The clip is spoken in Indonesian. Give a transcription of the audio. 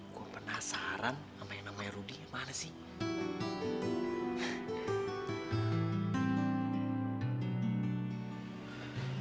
gue penasaran apa yang namanya rudy mana sih